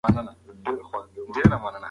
که سهار وي نو کار نه پاتې کیږي.